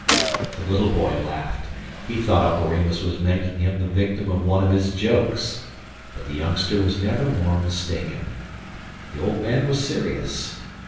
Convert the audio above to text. The little boy laughed. He thought Uncle Remus was making him the victim of one of his jokes; but the youngster was never more mistaken. The old man was serious.